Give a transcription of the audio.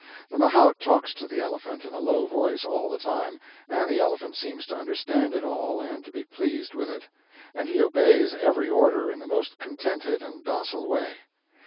The mahout talks to the elephant in a low voice all the time, and the elephant seems to understand it all and to be pleased with it; and he obeys every order in the most contented and docile way.